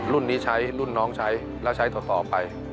รุ่นนี้ใช้รุ่นน้องใช้แล้วใช้ต่อไป